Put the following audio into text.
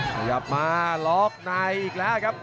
ขยับมาล็อกในอีกแล้วครับ